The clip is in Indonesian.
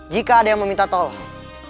jika ada yang meminta tolong